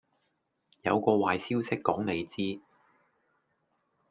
有個壞消息講你知